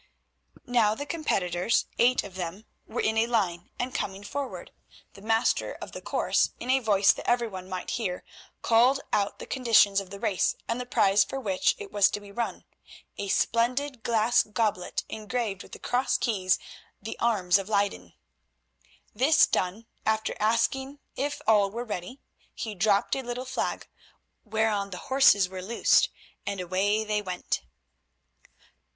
Now the competitors, eight of them, were in a line, and coming forward, the master of the course, in a voice that every one might hear, called out the conditions of the race and the prize for which it was to be run, a splendid glass goblet engraved with the cross keys, the Arms of Leyden. This done, after asking if all were ready, he dropped a little flag, whereon the horses were loosed and away they went.